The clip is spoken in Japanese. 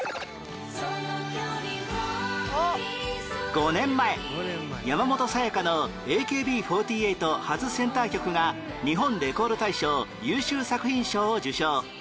５年前山本彩の ＡＫＢ４８ 初センター曲が日本レコード大賞優秀作品賞を受賞